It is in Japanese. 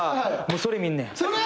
それ見んねん。